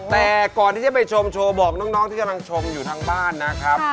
แต่ก่อนที่จะไปชมโชว์บอกน้องที่กำลังชมอยู่ทางบ้านนะครับ